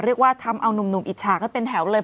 เรียกว่าทำเอานุ่มอิจฉากันเป็นแถวเลย